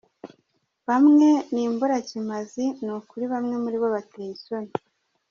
bamwe ni imburakimazi, ni ukiri bamwe muri bo bateye isoni.